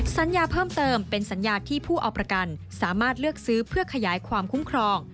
สัญญาเพิ่มเติมเป็นสัญญาที่ผู้เอาประกันสามารถเลือกซื้อเพื่อขยายความคุ้มครอง